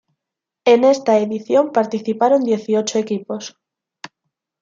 En esta edición participaron dieciocho equipos.